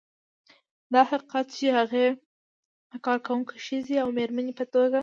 دا حقیقت چې هغې د کارکونکې ښځې او مېرمنې په توګه